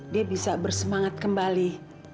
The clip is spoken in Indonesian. dia bisa bersemangat kembali